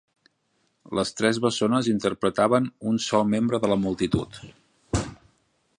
Les tres bessones interpretaven un sol membre de la multitud.